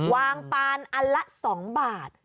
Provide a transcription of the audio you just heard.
วางปานอันละ๒บาท